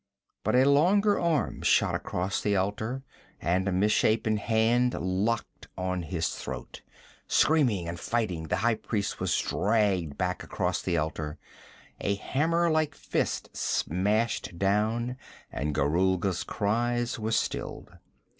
But a longer arm shot across the altar and a misshapen hand locked on his throat. Screaming and fighting, the high priest was dragged back across the altar; a hammer like fist smashed down, and Gorulga's cries were stilled.